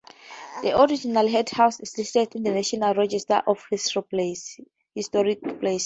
The original headhouse is listed in the National Register of Historic Places.